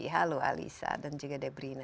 halo alisa dan juga debrina